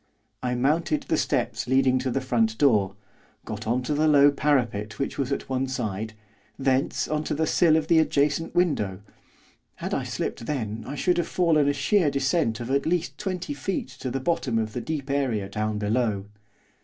I mounted the steps leading to the front door, got on to the low parapet which was at one side, thence on to the sill of the adjacent window, had I slipped then I should have fallen a sheer descent of at least twenty feet to the bottom of the deep area down below.